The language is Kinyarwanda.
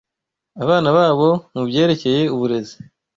abana babo mu byerekeye uburezi